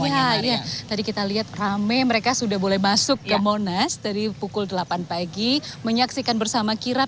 iya iya tadi kita lihat rame mereka sudah boleh masuk ke monas dari pukul delapan pagi menyaksikan bersama kirap